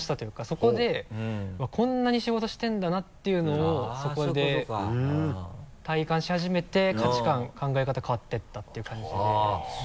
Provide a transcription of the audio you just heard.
そこで「うわこんなに仕事してるんだな」っていうのをそこで体感し始めて価値観考え方変わっていったていう感じですね。